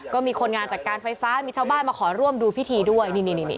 ก็มีคนงานจากการไฟฟ้ามีชาวบ้านมาขอร่วมดูพิธีด้วยนี่